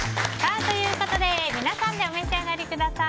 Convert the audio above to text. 皆さんでお召し上がりください。